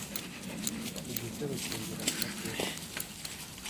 igisebo kinjira mu mateka